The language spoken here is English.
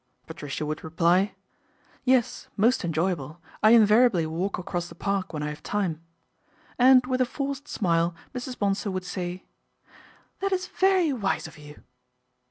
Patricia would reply, " Yes, most enjoyable ; I invariably walk across the Park when I have time "; and with a forced smile Mrs. Bonsor would say, " That is very wise of you."